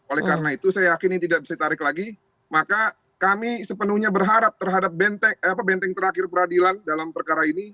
oleh karena itu saya yakin ini tidak bisa ditarik lagi maka kami sepenuhnya berharap terhadap benteng terakhir peradilan dalam perkara ini